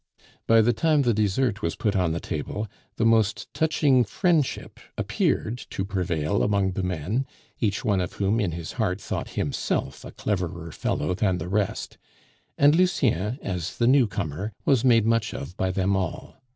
By the time the dessert was put on the table, the most touching friendship appeared to prevail among the men, each one of whom in his heart thought himself a cleverer fellow than the rest; and Lucien as the newcomer was made much of by them all.